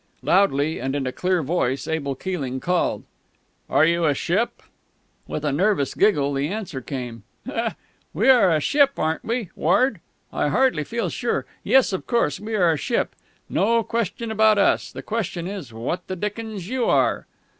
_" Loudly and in a clear voice Abel Keeling called: "Are you a ship?" With a nervous giggle the answer came: "_We are a ship, aren't we, Ward? I hardly feel sure.... Yes, of course, we're a ship. No question about us. The question is what the dickens you are.